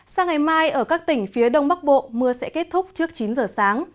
sang ngày mai ở các tỉnh phía đông bắc bộ mưa sẽ kết thúc trước chín giờ sáng